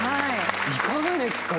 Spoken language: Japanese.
いかがですか？